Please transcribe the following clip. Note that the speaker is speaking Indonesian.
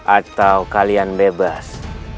atau kalian bebas